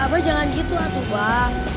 ih abah jangan gitu atuh mbah